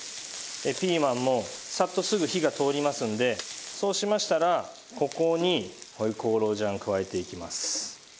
ピーマンもさっとすぐ火が通りますのでそうしましたらここに回鍋肉醤加えていきます。